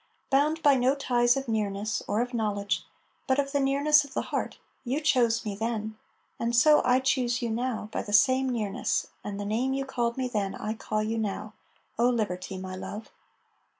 Bound by no ties of nearness or of knowledge But of the nearness of the heart, You chose me then And so I choose you now By the same nearness And the name you called me then I call you now O Liberty, my Love!